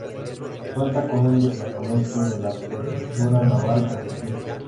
Cuenta con un destacamento de la Prefectura Naval Argentina.